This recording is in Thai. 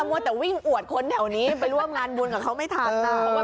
มัวแต่วิ่งอวดคนแถวนี้ไปร่วมงานบุญกับเขาไม่ทันนะ